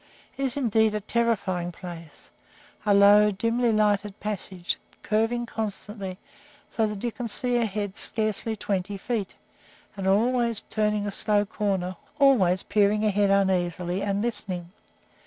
It is indeed a terrifying place a low, dimly lighted passage, curving constantly, so that you see ahead scarcely twenty feet, and are always turning a slow corner, always peering ahead uneasily and listening!